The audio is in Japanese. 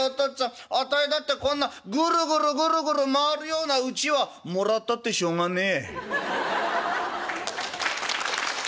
あたいだってこんなぐるぐるぐるぐる回るような家はもらったってしょうがねえ」。